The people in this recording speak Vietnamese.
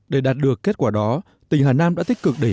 để đạt được kết quả đó tỉnh hà nam đã tích cực định